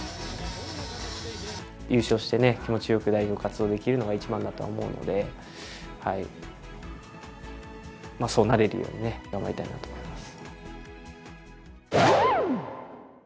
優勝してね、気持ちよく代表活動できるのが一番だと思うので、そうなれるようにね、頑張りたいなと思います。